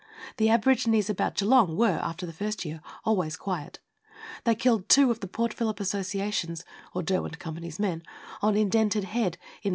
The aborigines about Geelong were, after the first year, always quiet. They killed two of the Port Phillip Association's (or Derwent Company's) men on Indented Head in 1836.